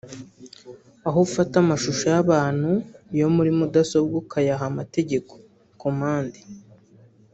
Aho ufata amashusho y’abantu yo muri mudasobwa ukayaha amategeko (commande)